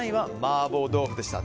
３位は麻婆豆腐でした。